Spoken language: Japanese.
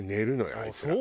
あいつら。